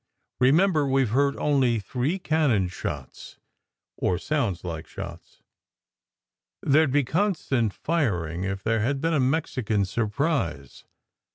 "Remember, we ve heard only three cannon shots, or sounds like shots. There d be constant firing if there had been a Mexican sur prise.